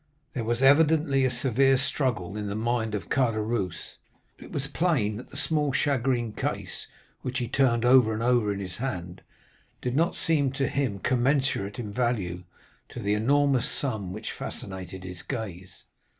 "There was evidently a severe struggle in the mind of Caderousse; it was plain that the small shagreen case, which he turned over and over in his hand, did not seem to him commensurate in value to the enormous sum which fascinated his gaze.